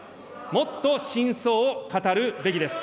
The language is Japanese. もっと真相を語るべきです。